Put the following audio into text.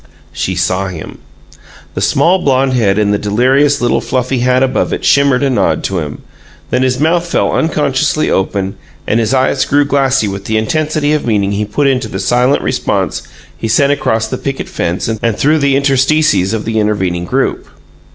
She saw him! The small blonde head and the delirious little fluffy hat above it shimmered a nod to him. Then his mouth fell unconsciously open, and his eyes grew glassy with the intensity of meaning he put into the silent response he sent across the picket fence and through the interstices of the intervening group.